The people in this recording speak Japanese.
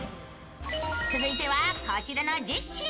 続いてはこちらの１０品。